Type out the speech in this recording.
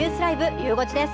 ゆう５時です。